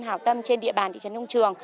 hảo tâm trên địa bàn thị trấn đông trường